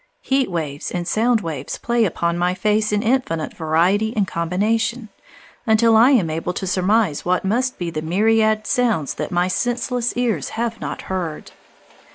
Heat waves and sound waves play upon my face in infinite variety and combination, until I am able to surmise what must be the myriad sounds that my senseless ears have not heard.